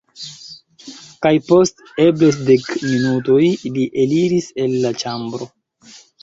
Kaj post eble dek minutoj, li eliris el la ĉambro.